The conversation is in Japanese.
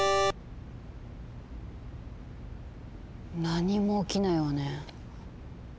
何も起きないわね。